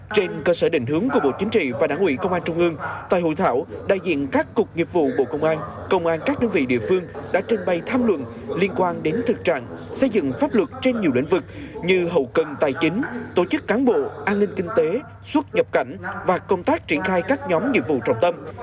trên cơ sở định hướng của bộ chính trị và đảng ủy công an trung ương tại hội thảo đại diện các cục nghiệp vụ bộ công an công an các đơn vị địa phương đã trình bày tham luận liên quan đến thực trạng xây dựng pháp luật trên nhiều lĩnh vực như hậu cần tài chính tổ chức cán bộ an ninh kinh tế xuất nhập cảnh và công tác triển khai các nhóm nhiệm vụ trọng tâm